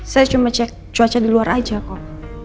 saya cuma cek cuaca di luar aja kok